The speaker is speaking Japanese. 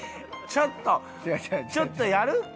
ちょっとちょっとやる？